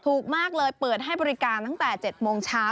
ถูกมากเลยเปิดให้บริการตั้งแต่๗โมงเช้า